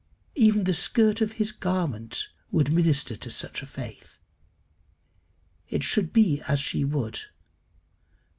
Even the skirt of his garment would minister to such a faith. It should be as she would.